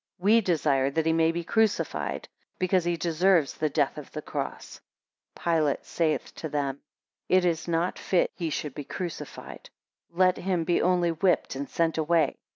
We desire that he may be crucified, because he deserves the death of the cross. 17 Pilate saith to them, It is not fit he should be crucified: let him be only whipped and sent away.